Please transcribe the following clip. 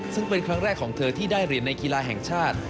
ซึ่งเป็นครั้งแรกของเธอที่ได้เหรียญในกีฬาแห่งชาติ